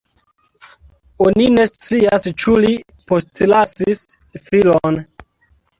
Oni ne scias ĉu li postlasis filon.